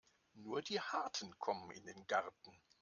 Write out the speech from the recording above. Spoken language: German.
Nur die Harten kommen in den Garten.